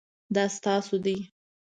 دا ستاسو دی؟